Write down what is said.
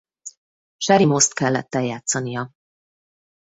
Cherry Moss-t kellett eljátszania.